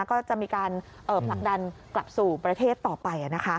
ก็จะมีการผลักดันกลับสู่ประเทศต่อไปนะคะ